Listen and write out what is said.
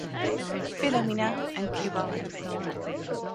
Filomena, and Kiwalan.